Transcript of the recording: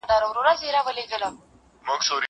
هغه څوک چي درس لولي بريالی کيږي!